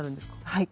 はい。